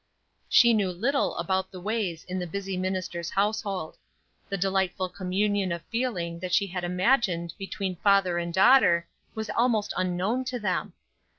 She knew little about the ways in the busy minister's household. The delightful communion of feeling that she had imagined between father and daughter was almost unknown to them.